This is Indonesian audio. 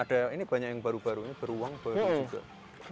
ada ini banyak yang baru barunya beruang baru juga